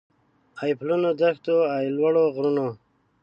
اې پلنو دښتو اې لوړو غرونو